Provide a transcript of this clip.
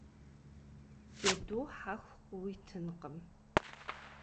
Джэду хьэху къыуитынкъым.